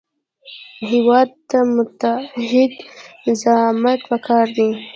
هېواد ته متعهد زعامت پکار دی